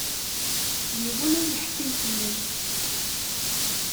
Yiwen ur yeḥkim fell-ak.